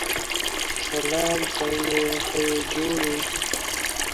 This also explains the huge amount of research being carried out into developing it.